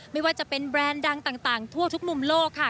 ไม่ว่าจะเป็นแบรนด์ดังต่างทั่วทุกมุมโลกค่ะ